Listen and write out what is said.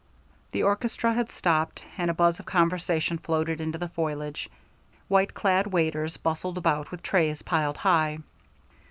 The orchestra had stopped, and a buzz of conversation floated into the foliage. White clad waiters bustled about with trays piled high.